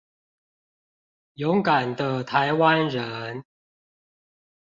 勇敢的臺灣人